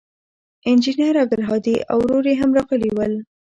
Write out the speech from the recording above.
انجنیر عبدالهادي او ورور یې هم راغلي ول.